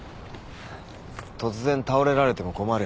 突然倒れられても困る。